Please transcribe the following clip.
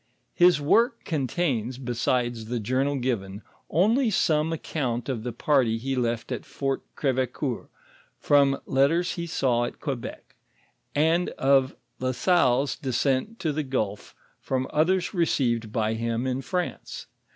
His work contains, besides the journal given, only some account of the porty he left at Fort Crevecoeur, from letters he saw at Quebec, and of La Salle's descent to the gulf from others received by him in France.